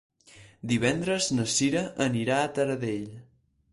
Divendres na Cira anirà a Taradell.